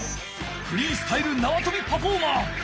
フリースタイルなわとびパフォーマー！